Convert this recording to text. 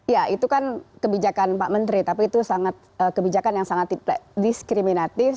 ya itu kan kebijakan pak menteri tapi itu sangat kebijakan yang sangat diskriminatif